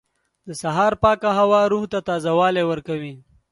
• د سهار پاکه هوا روح ته تازهوالی ورکوي.